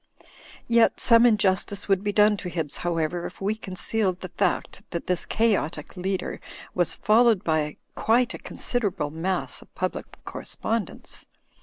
Yet some injustice would be done to Hibbs How ever if we concealed the fact that this chaotic leader was followed by quite a considerable mass of public correspondence.